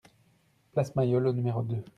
Place Mayol au numéro deux